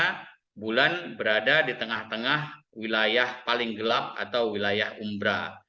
karena bulan berada di tengah tengah wilayah paling gelap atau wilayah umbra